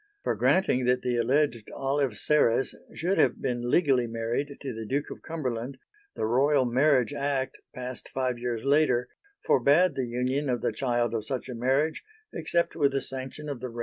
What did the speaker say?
For granting that the alleged Olive Serres should have been legally married to the Duke of Cumberland, the Royal Marriage Act, passed five years later, forbade the union of the child of such a marriage, except with the sanction of the reigning monarch.